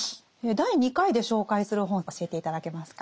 第２回で紹介する本教えて頂けますか？